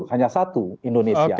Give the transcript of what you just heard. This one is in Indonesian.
hanya satu indonesia